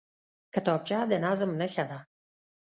کتابچه د نظم نښه ده